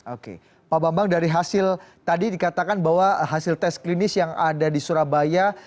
oke pak bambang dari hasil tadi dikatakan bahwa hasil tes klinis yang ada di surabaya